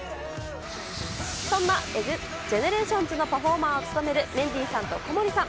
そんなジェネレーションズのパフォーマーを務めるメンディーさんと小森さん。